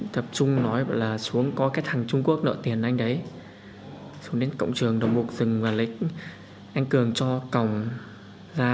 tập trung nói là xuống có cái thằng trung quốc nợ tiền anh đấy xuống đến cộng trường đồng bộ dừng và lấy anh cường cho cổng ra